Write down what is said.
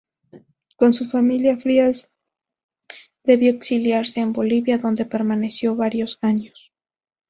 Con su familia, Frías debió exiliarse en Bolivia, donde permaneció varios años.